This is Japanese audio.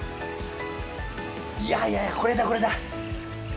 いやいやこれだこれだ。